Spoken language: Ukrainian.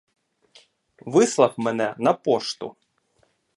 Вислав мене на пошту.